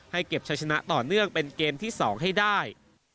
เก็บใช้ชนะต่อเนื่องเป็นเกมที่๒ให้ได้